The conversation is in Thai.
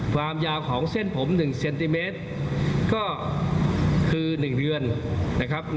ความยาวของเส้นผม๑เซนติเมตรก็คือ๑เดือนนะครับ